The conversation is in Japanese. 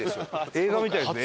映画みたいですね